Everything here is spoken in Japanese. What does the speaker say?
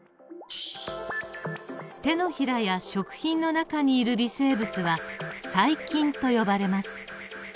手のひらや食品の中にいる微生物は細菌と呼ばれます。